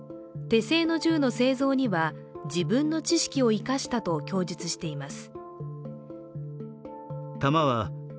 手製の銃の製造には自分の知識を生かしたと供述しています。